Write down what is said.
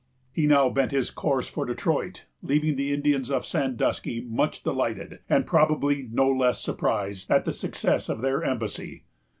He now bent his course for Detroit, leaving the Indians of Sandusky much delighted, and probably no less surprised, at the success of their embassy.